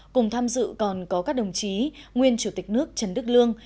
cùng tham dự còn có các đồng chí nguyên chủ tịch nước trần đức lương